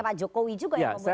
pak jokowi juga yang kemudian